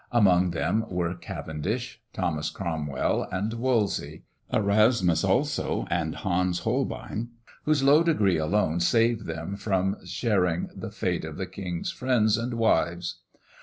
Among them were Cavendish, Thomas Cromwell, and Wolsey. Erasmus, also, and Hans Holbein, whose low degree alone saved them from sharing the fate of the king's friends and wives.